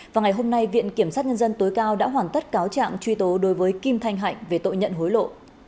và ngày hôm nay viện kiểm sát nhân dân tối cao đã hoàn tất cáo trạng truy tố đối với kim thanh hạnh về tội nhận hối lộ